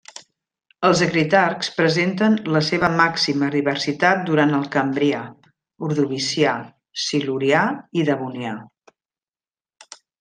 Els acritarcs presenten la seva màxima diversitat durant el cambrià, Ordovicià, Silurià i Devonià.